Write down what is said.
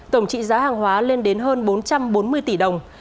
tổng trị giá hàng hóa lên đến hơn bốn trăm bốn mươi tỷ đồng